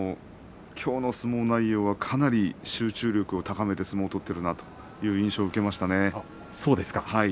きょうの相撲内容はかなり集中力を高めて相撲を取っているなという印象受けましたね。